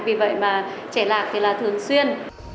vì vậy mà trẻ lạc thì là thường xuyên